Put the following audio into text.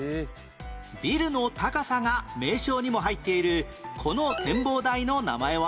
ビルの高さが名称にも入っているこの展望台の名前は？